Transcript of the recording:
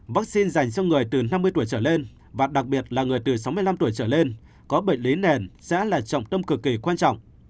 vaccine dành cho người từ năm mươi tuổi trở lên và đặc biệt là người từ sáu mươi năm tuổi trở lên có bệnh lý nền sẽ là trọng tâm cực kỳ quan trọng